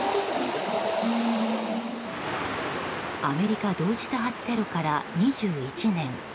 アメリカ同時多発テロから２１年。